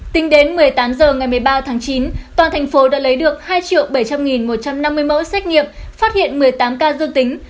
tính đến một mươi tám h ngày một mươi ba tháng chín toàn thành phố đã lấy được hai bảy trăm linh nghìn một trăm năm mươi mẫu xét nghiệm phát hiện một mươi tám ca dương tính